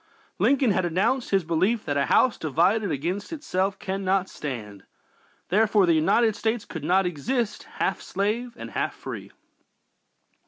Lincoln had announced his belief that "a house divided against itself cannot stand;" therefore the United States could not long exist "half slave and half free."